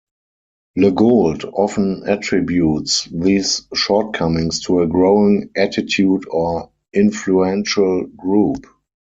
LeGault often attributes these shortcomings to a growing attitude or influential group.